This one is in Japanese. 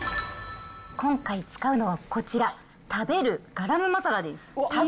今回使うのはこちら、食べるガラムマサラ？